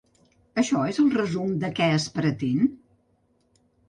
Això és el resum de què es pretén?